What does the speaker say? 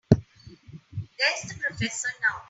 There's the professor now.